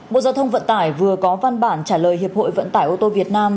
bộ giao thông vận tải vừa có văn bản trả lời hiệp hội vận tải ô tô việt nam